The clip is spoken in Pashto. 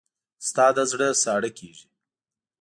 ستا زړه ساړه کېږي.